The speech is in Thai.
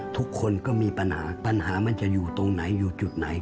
ทุกคนก็มีปัญหาปัญหามันจะอยู่ตรงไหนอยู่จุดไหน